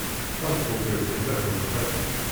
Tameṭṭut-iw tella temxell.